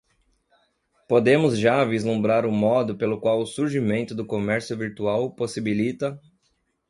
Podemos já vislumbrar o modo pelo qual o surgimento do comércio virtual possibilita